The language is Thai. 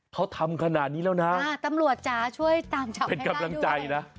เขาทำขนาดนี้แล้วนะตำรวจจ๋าช่วยตามจับเป็นกำลังใจนะ